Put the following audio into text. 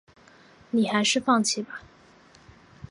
你还是放弃吧